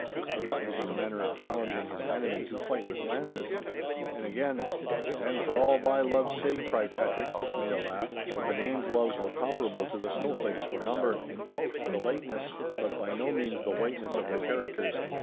For that was his manner of challenging his enemy to fight with lances. And again, 'Then for all thy loves sake,' cried Patrick, which made a laugh, for Benane's loves were comparable to the snowflakes for number, and eke for the lightness—but by no means the whiteness of their characters.